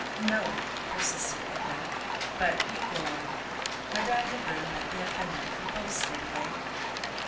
"No," persisted Edna; "but you go on. Madame Lebrun might be offended if we both stayed away."